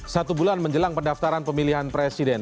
satu bulan menjelang pendaftaran pemilihan presiden